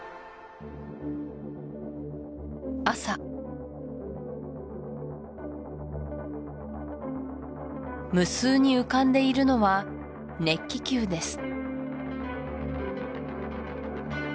朝無数に浮かんでいるのは熱気球です